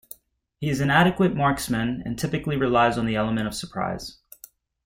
He is an adequate marksman and typically relies on the element of surprise.